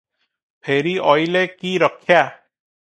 ଫେରି ଅଇଲେ କି ରକ୍ଷା?